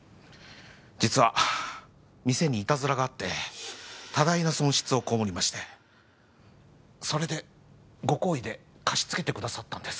実は店にイタズラがあって多大な損失を被りましてそれでご厚意で貸し付けてくださったんです